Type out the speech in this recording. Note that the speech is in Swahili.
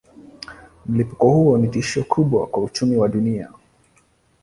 Mlipuko huo ni tishio kubwa kwa uchumi wa dunia.